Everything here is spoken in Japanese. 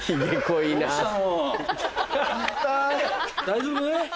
大丈夫？